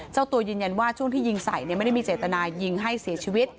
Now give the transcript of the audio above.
เจ้าตัวยืนยันว่าช่วงที่ยิงใส่ไม่ได้มีเจตนายิงให้เสียชีวิต